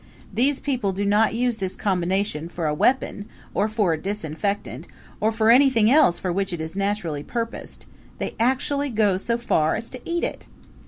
These people do not use this combination for a weapon or for a disinfectant, or for anything else for which it is naturally purposed; they actually go so far as to eat it.